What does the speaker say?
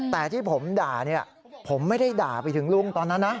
แต่ที่ผมด่าเนี่ยผมไม่ได้ด่าไปถึงลุงตอนนั้นนะ